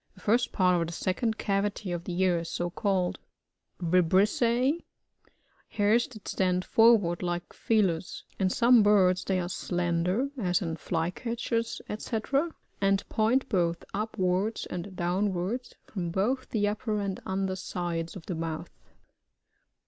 The first part of the second cavity of the ear is so called. ViBRisSiB. — Hairs that stand forward like feelers; in some birds they are slender, as in Fly catchers, &c« and point both upwards and down wards, from both the upper and under sides of the mouth.